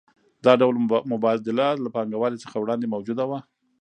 دا ډول مبادله له پانګوالۍ څخه وړاندې موجوده وه